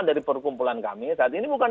dari perkumpulan kami saat ini bukan